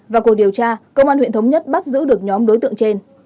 vào cuộc điều tra công an huyện thống nhất bắt giữ được nhóm đối tượng trên